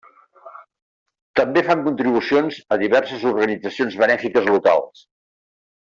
També fan contribucions a diverses organitzacions benèfiques locals.